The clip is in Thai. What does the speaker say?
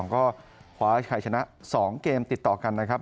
ก็คว้าชัยชนะ๒เกมติดต่อกันนะครับ